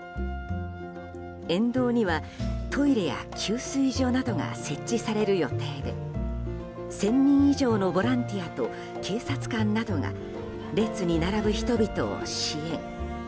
沿道にはトイレや給水所などが設置される予定で１０００人以上のボランティアと警察官などが列に並ぶ人々を支援。